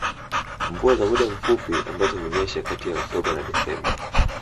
Mvua za muda mfupi ambazo hunyesha kati ya Oktoba na Desemba